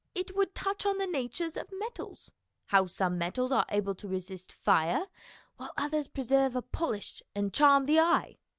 It would touch on the natures of metals how some metals are able to resist fire, while others preserve a polish and charm the eye.